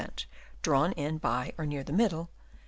Drawn in, by or near the middle.